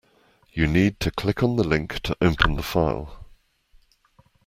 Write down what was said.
You need to click on the link to open the file